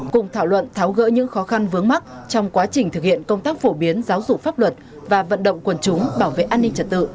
cùng thảo luận tháo gỡ những khó khăn vướng mắt trong quá trình thực hiện công tác phổ biến giáo dục pháp luật và vận động quần chúng bảo vệ an ninh trật tự